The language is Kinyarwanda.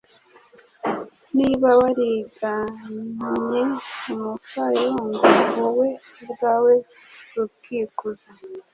Niba warigannye umupfayongo wowe ubwawe ukikuza